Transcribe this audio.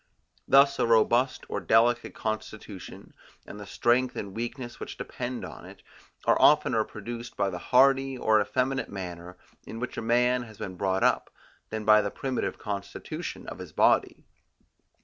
Thus a robust or delicate constitution, and the strength and weakness which depend on it, are oftener produced by the hardy or effeminate manner in which a man has been brought up, than by the primitive constitution of his body.